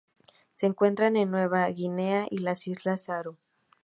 Se encuentra en Nueva Guinea y las Islas Aru.